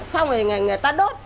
xong rồi người ta đốt